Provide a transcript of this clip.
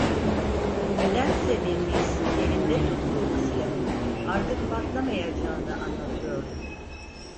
Nedense bir his, elinde tuttuğu bu silahın artık patlamayacağını anlatıyordu.